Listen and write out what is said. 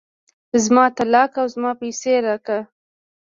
زما طلاق او زما پيسې راکه.